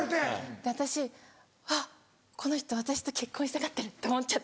私あっこの人私と結婚したがってると思っちゃって。